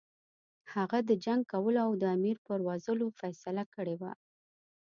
هغه د جنګ کولو او د امیر پرزولو فیصله کړې وه.